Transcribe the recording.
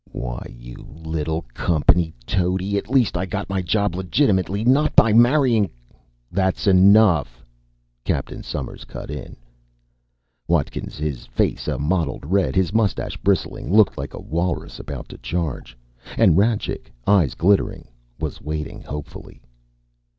"Why, you little company toady! At least I got my job legitimately, not by marrying " "That's enough!" Captain Somers cut in. Watkins, his face a mottled red, his mustache bristling, looked like a walrus about to charge. And Rajcik, eyes glittering, was waiting hopefully.